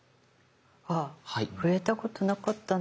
ああ触れたことなかったんだけど。